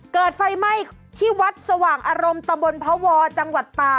เกิดไฟไหม้ที่วัดสว่างอารมณ์ตะบนพวจังหวัดตา